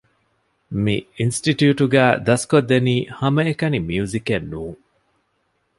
މި އިންސްޓިޓިއުޓުގައި ދަސްކޮށްދެނީ ހަމައެކަނި މިއުޒިކެއް ނޫން